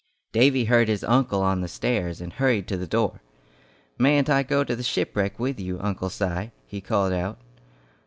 Davy heard his uncle on the stairs, and hurried to the door. "Mayn't I go to the shipwreck with you, Uncle Si?" he called out.